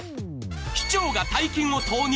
市長が大金を投入？